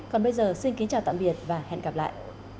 còn bây giờ xin kính chào tạm biệt và hẹn gặp lại